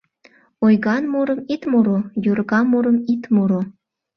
Ойган мурым ит муро, йорга мурым ит муро